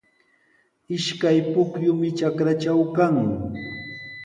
Ishkay pukyumi trakraatraw kan.